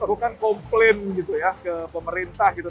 bukan komplain gitu ya ke pemerintah gitu